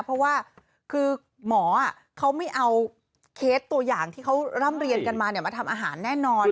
เพราะว่าคือหมอเขาไม่เอาเคสตัวอย่างที่เขาร่ำเรียนกันมามาทำอาหารแน่นอน